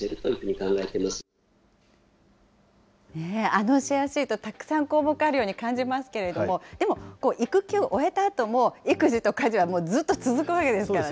あのシェアシート、たくさん項目あるように感じますけれども、でも、育休を終えたあとも、育児と家事はもうずっと続くわけですからね。